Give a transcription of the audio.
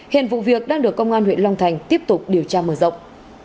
hiện vụ việc đang được công an huyện long thành tiếp tục điều tra mở rộng